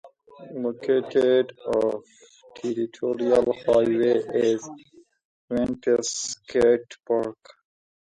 Located off Territorial Highway is Veneta's skate park.